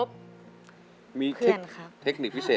เราตั้งแก๊งที่ถ่ายขนมเพื่อนเหรอ